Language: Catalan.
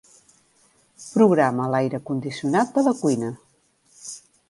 Programa l'aire condicionat de la cuina.